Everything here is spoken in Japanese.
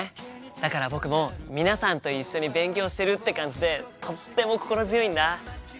だから僕も皆さんと一緒に勉強してるって感じでとっても心強いんだ。